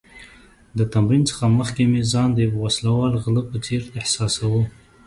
د تمرین څخه مخکې مې ځان د یو وسله وال غله په څېر احساساوه.